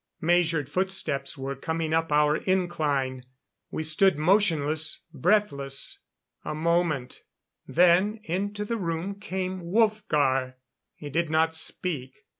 Measured footsteps were coming up our incline. We stood motionless, breathless. A moment; then into the room came Wolfgar. He did not speak.